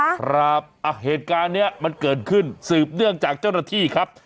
ครับอ่ะเหตุการณ์เนี้ยมันเกิดขึ้นสืบเนื่องจากเจ้าหน้าที่ครับ